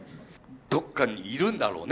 どっかにいるんだろうね